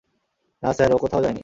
না স্যার, ও কোথাও যায় নি।